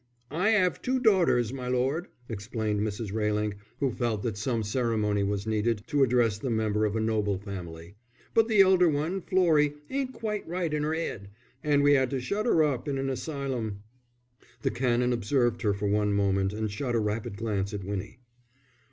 "I 'ave two daughters, my lord," explained Mrs. Railing, who felt that some ceremony was needed to address the member of a noble family, "but the elder one, Florrie, ain't quite right in 'er 'ead. And we 'ad to shut 'er up in an asylum." The Canon observed her for one moment and shot a rapid glance at Winnie.